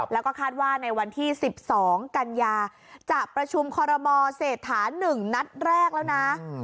แล้วก็คาดว่าในวันที่๑๒กันยาจะประชุมคอรมอเศรษฐา๑นัดแรกแล้วนะ